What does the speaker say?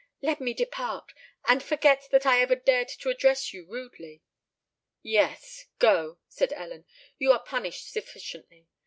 "Let me depart—and forget that I ever dared to address you rudely." "Yes—go," said Ellen: "you are punished sufficiently.